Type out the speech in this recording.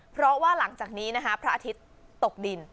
เพราะว่าหลังจากนี้นะคะพระอาทิตย์ตกดิน